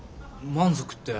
満足って？